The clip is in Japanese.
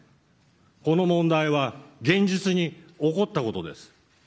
この問題は現実に起こったことです。